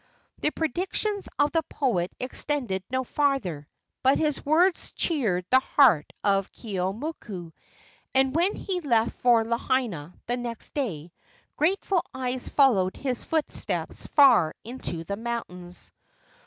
The predictions of the poet extended no farther; but his words cheered the heart of Keeaumoku, and when he left for Lahaina the next day, grateful eyes followed his footsteps far into the mountains.